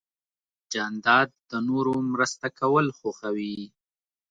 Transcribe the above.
جانداد د نورو مرسته کول خوښوي.